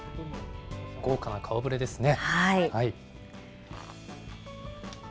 豪華な顔ぶれですね。